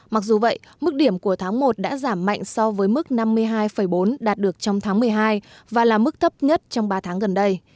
mặc dù vậy mức điểm của tháng một đã giảm mạnh so với mức năm mươi hai bốn đạt được trong tháng một mươi hai và là mức thấp nhất trong ba tháng gần đây